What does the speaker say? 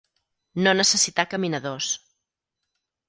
No necessitar caminadors.